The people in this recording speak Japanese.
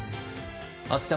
松木さん